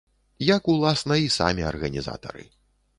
Як, уласна, і самі арганізатары.